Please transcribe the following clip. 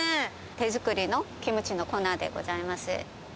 手作りのキムチのコーナーでございます。